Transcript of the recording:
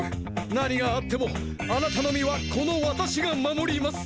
何があってもあなたの身はこのわたしが守ります！